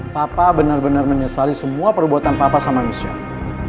papa bener bener menyesali semua perbuatan papa sama michelle